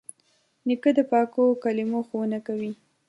نیکه د پاکو کلمو ښوونه کوي.